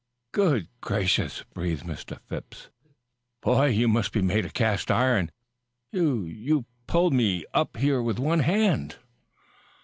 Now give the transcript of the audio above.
"Good gracious!" breathed Mr. Phipps. "Boy, you must be made of cast iron. You you pulled me up here with one hand."